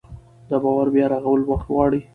د باور بیا رغول وخت غواړي